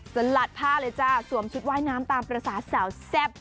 สลัดผ้าเลยจ้าสวมชุดว่ายน้ำตามภาษาสาวแซ่บ